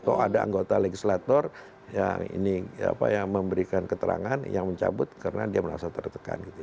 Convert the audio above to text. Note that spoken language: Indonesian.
kalau ada anggota legislator yang ini apa yang memberikan keterangan yang mencabut karena dia merasa tertekan gitu